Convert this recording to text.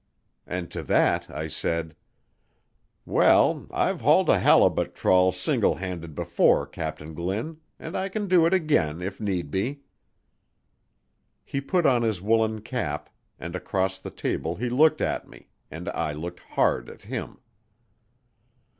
And to that I said: "Well, I've hauled a halibut trawl single handed before, Captain Glynn, and I can do it again if need be." He put on his woollen cap, and across the table he looked at me, and I looked hard at him.